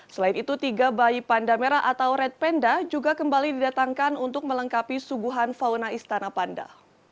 selain itu tiga bayi panda merah atau red panda juga kembali didatangkan untuk melengkapi subuhan fauna istana panda